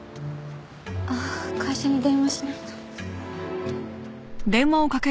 ああ会社に電話しないと。